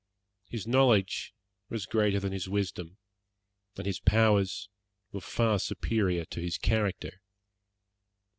His knowledge was greater than his wisdom, and his powers were far superior to his character.